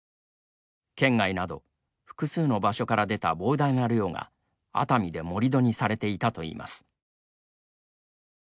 県外など複数の場所から出た膨大な量が熱海で盛り土にされていたといいます。